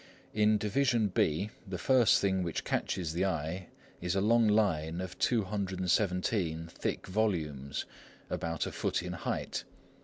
In Division B, the first thing which catches the eye is a long line of 217 thick volumes, about a foot in height.